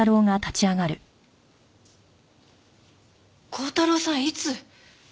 鋼太郎さんいつ？